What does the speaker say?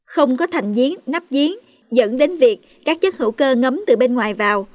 không có thành diến nắp diến dẫn đến việc các chất hữu cơ ngấm từ bên ngoài vào